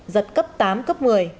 giật cấp tám cấp một mươi